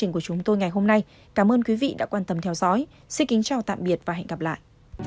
cảm ơn các bạn đã theo dõi và hẹn gặp lại